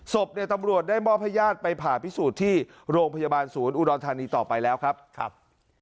ศพเนี่ยตำรวจได้มอบให้ญาติไปผ่าพิสูจน์ที่โรงพยาบาลศูนย์อุดรธานีต่อไปแล้วครับ